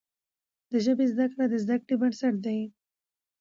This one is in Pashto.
د ژبي زده کړه د زده کړې بنسټ دی.